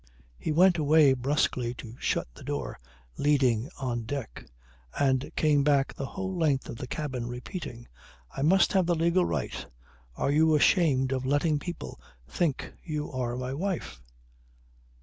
He went away brusquely to shut the door leading on deck and came back the whole length of the cabin repeating: "I must have the legal right. Are you ashamed of letting people think you are my wife?"